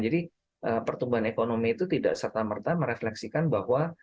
jadi pertumbuhan ekonomi itu tidak serta merta merefleksikan bahwa